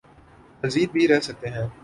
مزید بھی رہ سکتے ہیں۔